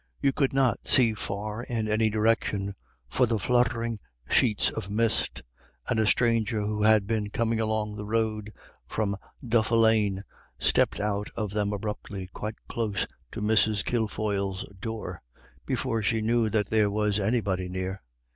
You could not see far in any direction for the fluttering sheets of mist, and a stranger who had been coming along the road from Duffelane stepped out of them abruptly quite close to Mrs. Kilfoyle's door, before she knew that there was anybody near.